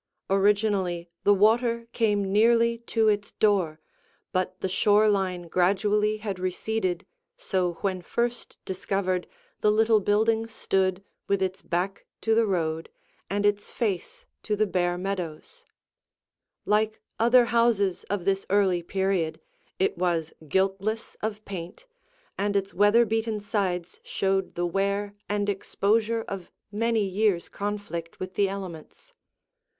Originally the water came nearly to its door, but the shore line gradually had receded, so when first discovered, the little building stood with its back to the road, and its face to the bare meadows. [Illustration: Before Remodeling] Like other houses of this early period, it was guiltless of paint, and its weather beaten sides showed the wear and exposure of many years' conflict with the elements.